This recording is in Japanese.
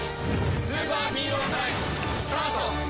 スーパーヒーロータイムスタート！